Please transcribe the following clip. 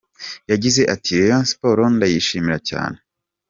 Yagize ati “Rayon Sports ndayishimira cyane.